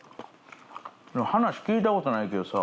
話聞いた事ないけどさ。